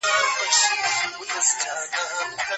کومې کلتوري تجربې د ناپوهۍ د کچي په کمولو کي ګټورې دی؟